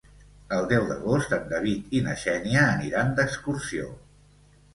El deu d'agost en David i na Xènia aniran d'excursió.